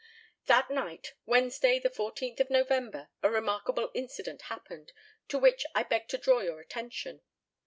That night, Wednesday, the 14th November, a remarkable incident happened, to which I beg to draw your attention.